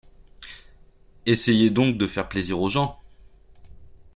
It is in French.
Essayez donc de faire plaisir aux gens !